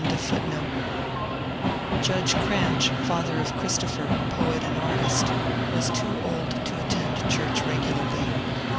^ Judge Cranch, father of Christopher, poet and artbt, was too old to attend church regularly.